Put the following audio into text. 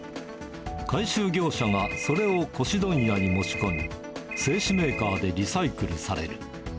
回収業者がそれを古紙問屋に持ち込み、製紙メーカーでリサイクルされる。